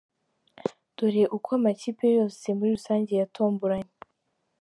Dore uko amakipe yose muri rusange yatomboranye.